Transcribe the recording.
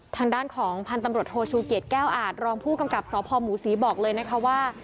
ทางด้านของพันธุ์ตำรวจโทชูเกียจแก้วอาจรองผู้กำกับสพหมูศรีบอกเลยนะคะว่า